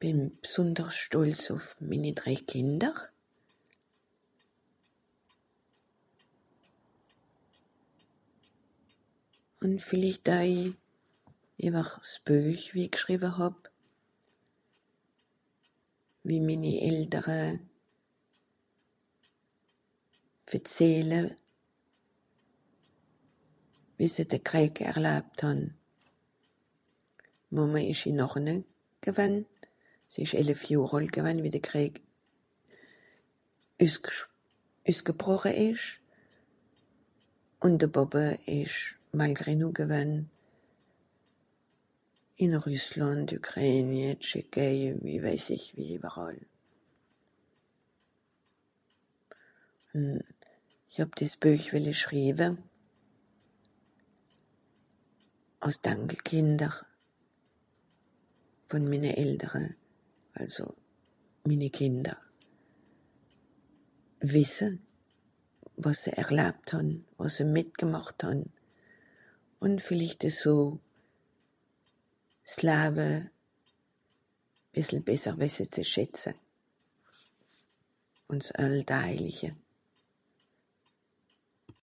Bìn bsùndersch stolz ùff minni drèi Kìnder. Ùn vìllicht oei ìwer s'Buech wie i gschriwe hàb. Wie minni Eltere verzehle, wie se de Krìeig erlabt hàn. Màmme ìsch ìn Orenoei gewann. Sie ìsch elef Johr àlt gewann wie de Krìeig üssgsch... üssgebroche ìsch. Ùn de Pàppe ìsch Malgré-Nous gewann, ìn Rüsslànd, Ükräin, ìn Tschekèi, wie wèis ìch wie ìweràll. Ìch hàb dìs Buech wìlle schriwe, àss d'Ankelkìnder, vùn minne Eltere, àlso minni Kìnder, wìsse wàs se erlabt hàn, wàs se mìtgemàcht hàn, ùn vìllicht eso s'Lawe bìssel besser wìsse ze schätze, ùn Alldajlische.